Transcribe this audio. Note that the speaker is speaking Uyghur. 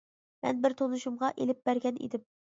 مەن بىر تونۇشۇمغا ئېلىپ بەرگەن ئىدىم.